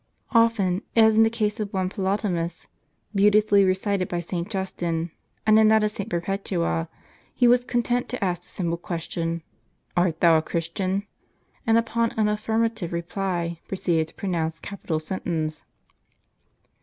Often, as in the case of one Ptolomaeus, beautifully recited by St. Justin, and in that of St. Perpetua, he was content to ask the simple question. Art thou a Christian? and upon an affirmative reply, proceeded to pronounce capital sentence.